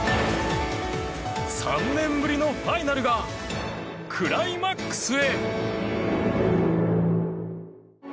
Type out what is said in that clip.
３年ぶりのファイナルがクライマックスへ。